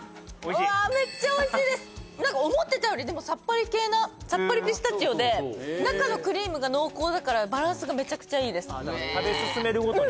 うわ何か思ってたよりでもさっぱり系なさっぱりピスタチオで中のクリームが濃厚だからバランスがめちゃくちゃいいですあっ